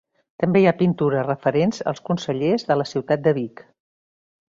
També hi ha pintures referents als consellers de la ciutat de Vic.